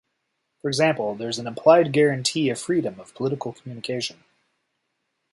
For example, there is an implied guarantee of freedom of political communication.